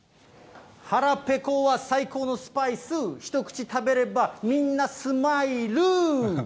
腹ぺこは最高のスパイス、一口食べれば、みんなスマイル。